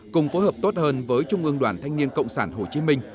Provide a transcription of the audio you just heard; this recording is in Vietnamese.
cùng phối hợp tốt hơn với trung ương đoàn thanh niên cộng sản hồ chí minh